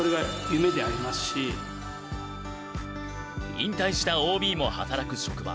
引退したＯＢも働く職場。